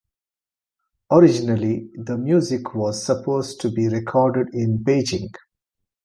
Originally the music was supposed to be recorded in Beijing.